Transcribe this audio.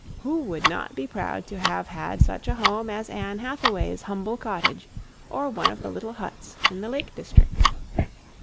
Who would not be proud to have had such a home as Ann Hathaway's humble cottage or one of the little huts in the Lake District?